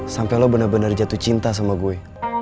sampai lo bener bener jatuh cinta sama gue